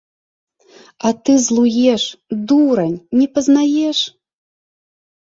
А ты злуеш, дурань, не пазнаеш!